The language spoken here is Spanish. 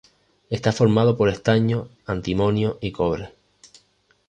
Está formado por estaño, antimonio y cobre.